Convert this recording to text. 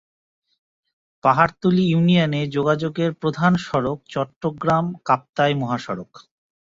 পাহাড়তলী ইউনিয়নে যোগাযোগের প্রধান সড়ক চট্টগ্রাম-কাপ্তাই মহাসড়ক।